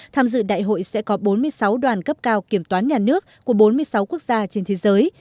tham dự đại hội sẽ có bốn mươi sáu đoàn cấp cao kiểm toán nhà nước của bốn mươi sáu quốc gia trên thế giới